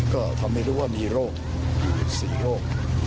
ก็ทำให้รู้ว่ามีโรคอยู่๑๔โรค